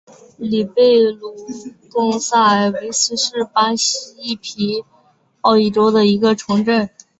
里贝鲁贡萨尔维斯是巴西皮奥伊州的一个市镇。